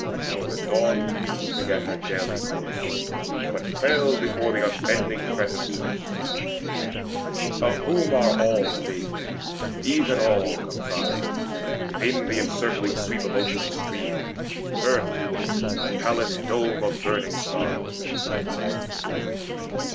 Nor the Dawn queen forgat her daily course, But quailed before the unbending threat of Zeus, Of whom are all things, even all comprised Within the encircling sweep of Ocean's stream, Earth and the palace dome of burning stars.